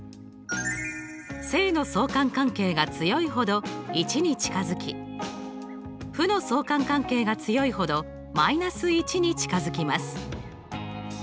正の相関関係が強いほど１に近づき負の相関関係が強いほど−１に近づきます。